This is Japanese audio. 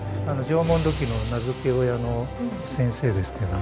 縄文土器の名付け親の先生ですけども。